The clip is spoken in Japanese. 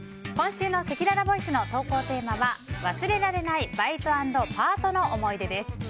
今週のせきららボイスの投稿テーマは忘れられないバイト＆パートの思い出です。